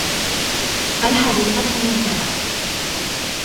الحديقة مهملة.